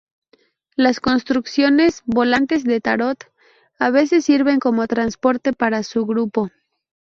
Las construcciones volantes de Tarot a veces sirven como transporte para su grupo.